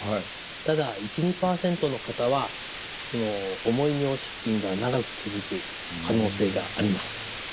ただ１２％の方は重い尿失禁が長く続く可能性があります。